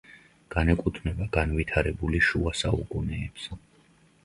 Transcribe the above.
განეკუთვნება განვითარებული შუა საუკუნეებს.